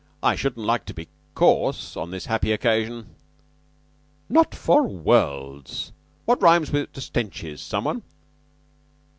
"I shouldn't like to be coarse on this happy occasion." "Not for wo orlds. What rhymes to 'stenches,' someone?"